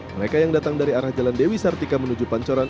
mereka yang datang dari arah jalan dewi sartika menuju pancoran